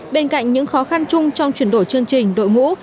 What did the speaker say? bên cạnh những khó khăn chung trong chuyển đổi chương trình đội ngũ